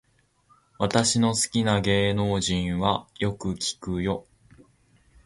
私の好きな芸能人はよく聞くよ